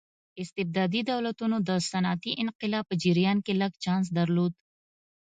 استبدادي دولتونو د صنعتي انقلاب په جریان کې لږ چانس درلود.